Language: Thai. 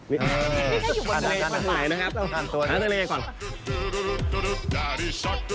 นี่ค่ะอยู่บนทะเล